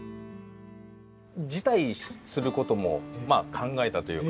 辞退する事も考えたというか。